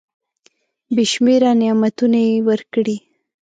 بي شمیره نعمتونه یې ورکړي .